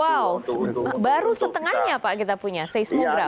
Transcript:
wow baru setengahnya pak kita punya seismogram